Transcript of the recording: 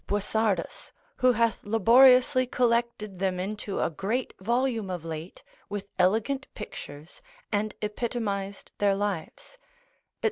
Boissardus, who hath laboriously collected them into a great volume of late, with elegant pictures, and epitomised their lives) &c.